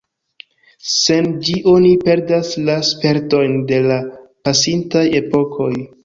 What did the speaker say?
Sen ĝi oni perdas la spertojn de la pasintaj epokoj.